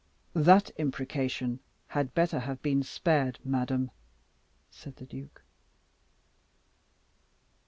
"That imprecation had better have been spared, madam," said the duke.